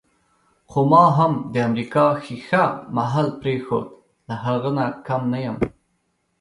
خو ما هم د امریکا ښیښه محل پرېښود، له هغه نه کم نه یم.